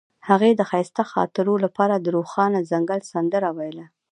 هغې د ښایسته خاطرو لپاره د روښانه ځنګل سندره ویله.